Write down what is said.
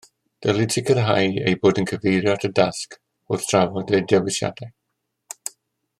Dylid sicrhau eu bod yn cyfeirio at y dasg wrth drafod eu dewisiadau